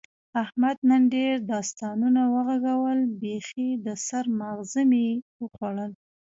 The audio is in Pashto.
احمد نن ډېر داستانونه و غږول، بیخي د سر ماغز مې یې وخوړل.